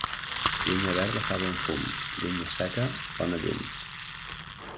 Llenya verda fa bon fum; llenya seca, bona llum.